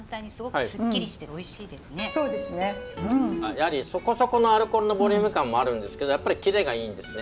やはりそこそこのアルコールのボリューム感もあるんですけどやっぱりキレがいいんですね。